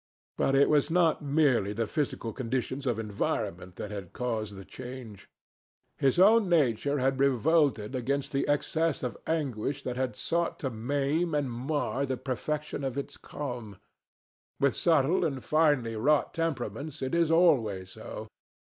But it was not merely the physical conditions of environment that had caused the change. His own nature had revolted against the excess of anguish that had sought to maim and mar the perfection of its calm. With subtle and finely wrought temperaments it is always so.